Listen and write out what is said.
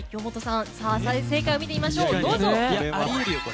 正解を見てみましょう。